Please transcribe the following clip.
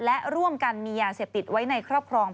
และร่วมกันมียาเสพติดไว้ในครอบครอง